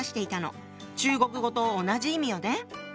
中国語と同じ意味よね。